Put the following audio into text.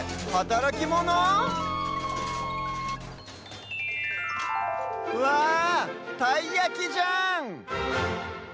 たいやきじゃん！